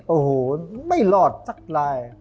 โอ้โหไม่รอดสักลาย